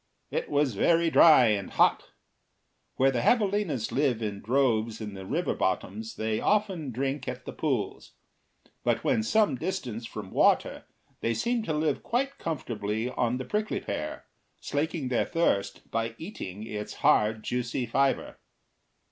It was very dry and hot. Where the javalinas live in droves in the river bottoms they often drink at the pools; but when some distance from water they seem to live quite comfortably on the prickly pear, slaking their thirst by eating its hard, juicy fibre.